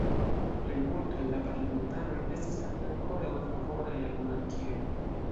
Plejmulto el la parlamentanoj estis tamen ankoraŭ favoraj al monarkio.